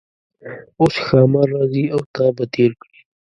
اوس ښامار راځي او تا به تیر کړي.